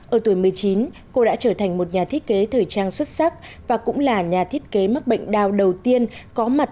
ở tuổi một mươi chín cô đã trở thành một nhà thiết kế thời trang xuất sắc và cũng là nhà thiết kế mắc bệnh đào đầu tiên có mặt